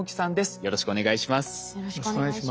よろしくお願いします。